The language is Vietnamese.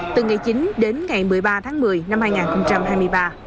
từ ngày chín đến ngày một mươi ba tháng một mươi năm hai nghìn hai mươi ba